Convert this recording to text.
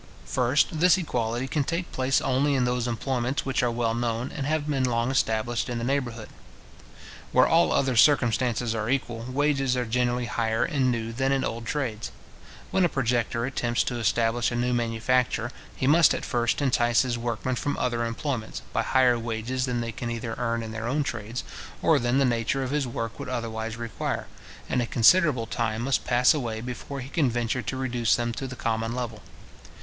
First, this equality can take place only in those employments which are well known, and have been long established in the neighbourhood. Where all other circumstances are equal, wages are generally higher in new than in old trades. When a projector attempts to establish a new manufacture, he must at first entice his workmen from other employments, by higher wages than they can either earn in their own trades, or than the nature of his work would otherwise require; and a considerable time must pass away before he can venture to reduce them to the common level.